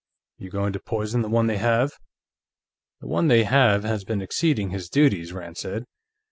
You going to poison the one they have?" "The one they have has been exceeding his duties," Rand said.